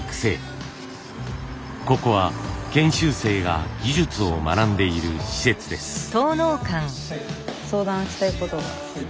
ここは研修生が技術を学んでいる施設です。